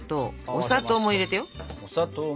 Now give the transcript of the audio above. お砂糖も入れて。